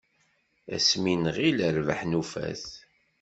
Ass mi nɣil rrbeḥ nufa-t.